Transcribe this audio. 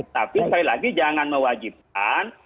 tapi sekali lagi jangan mewajibkan